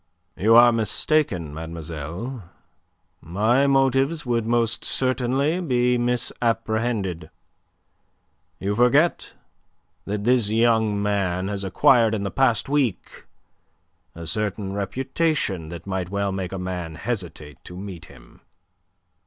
"You are mistaken, mademoiselle. My motives would most certainly be misapprehended. You forget that this young man has acquired in the past week a certain reputation that might well make a man hesitate to meet him."